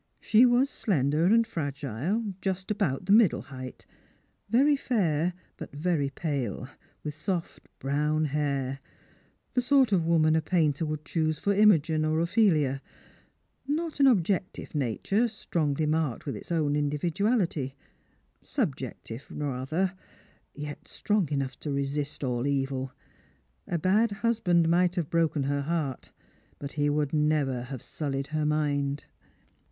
She was slender and fragile, just about the middle height, very fair but very pale, with soft brown hair — the sort of woman a painter would choose for Imogen or Ophelia; not an objective nature, strongly marked with its own individuality ; subjective rather, yet strong enough to resist all evil. ^ bad husband might have broken her heart, but he would never have sullied her mind."